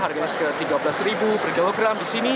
harganya sekitar rp tiga belas per kilogram di sini